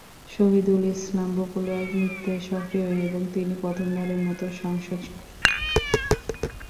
শহিদুল ইসলাম বকুল রাজনীতিতে সক্রিয় এবং তিনি প্রথম বারের মতো সংসদ সদস্য নির্বাচিত হয়েছেন।